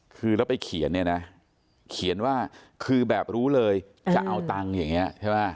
คือแล้วไปเขียนเนี่ยนะเขียนว่าคือแบบรู้เลยจะเอาตังค์อย่างนี้ใช่ไหม